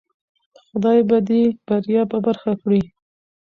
خدای به دی بریا په برخه کړی